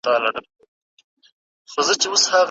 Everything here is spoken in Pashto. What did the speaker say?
درواغ او فريب د چا لخوا ترسره کيږي؟